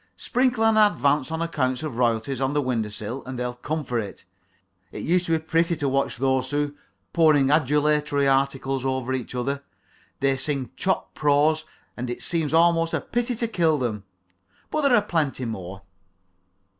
Sprinkle an advance on account of royalties on the window sill and they'll come for it. It used to be pretty to watch those two, pouring adulatory articles over each other. They sing chopped prose, and it seemed almost a pity to kill them; but there are plenty more.